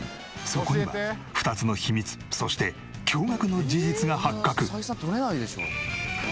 そこには２つの秘密そして驚愕の事実が発覚！